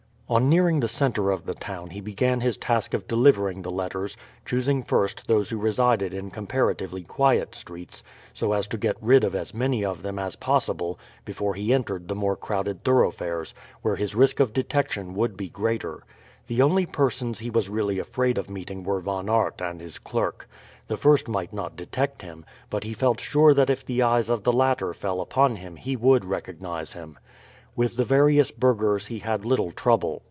On nearing the centre of the town he began his task of delivering the letters, choosing first those who resided in comparatively quiet streets, so as to get rid of as many of them as possible before he entered the more crowded thoroughfares, where his risk of detection would be greater. The only persons he was really afraid of meeting were Von Aert and his clerk. The first might not detect him, but he felt sure that if the eyes of the latter fell upon him he would recognize him. With the various burghers he had little trouble.